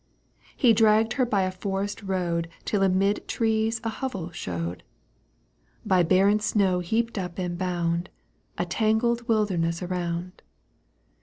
He dragged her by a forest road ТШ amid trees a hovel showed, By barren snow heaped up and bound, A tangled wilderness around.